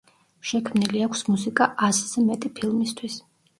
შექმნილი აქვს მუსიკა ასზე მეტი ფილმისთვის.